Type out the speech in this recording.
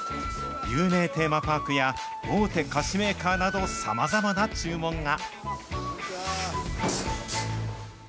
有名テーマパークや、大手菓子メーカーなど、さまざまな注文が。